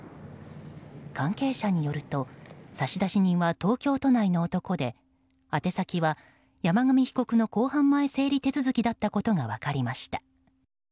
関係者によると差出人は東京都内の男で宛て先は、山上被告の公判前整理手続きだったことが分かりました。